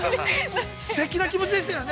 すてきな気持ちでしたよね。